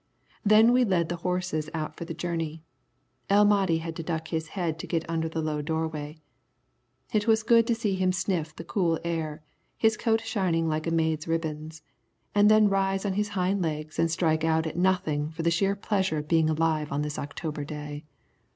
Then we led the horses out for the journey. El Mahdi had to duck his head to get under the low doorway. It was good to see him sniff the cool air, his coat shining like a maid's ribbons, and then rise on his hind legs and strike out at nothing for the sheer pleasure of being alive on this October day.